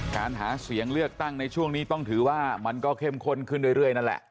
หาเสียงเลือกตั้งในช่วงนี้ต้องถือว่ามันก็เข้มข้นขึ้นเรื่อยนั่นแหละ